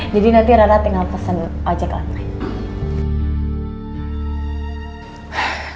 jadi nanti rara tinggal pesen ojek online